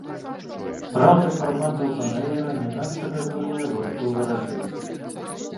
Праўда, фармат оўпэн-эйра не надта дазваляе гурту варажыць.